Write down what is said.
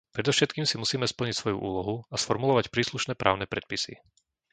Predovšetkým si musíme splniť svoju úlohu a sformulovať príslušné právne predpisy.